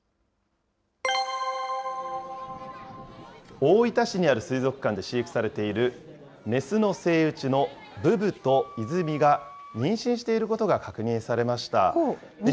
大分市にある水族館で飼育されている雌のセイウチのぶぶと泉が妊娠していることが確認されました。